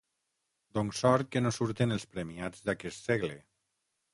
Doncs sort que no surten els premiats d'aquest segle!